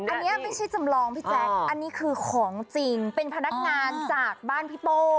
อันนี้ไม่ใช่จำลองพี่แจ๊คอันนี้คือของจริงเป็นพนักงานจากบ้านพี่โป้